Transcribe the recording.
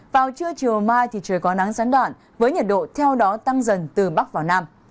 vào trưa chiều mai thì trời có nắng gián đoạn với nhiệt độ theo đó tăng dần từ bắc vào nam